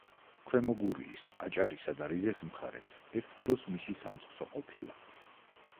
ქვემო გურიის, აჭარისა და რიზეს მხარეც ერთ დროს მისი სამწყსო ყოფილა.